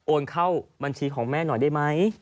เข้าบัญชีของแม่หน่อยได้ไหม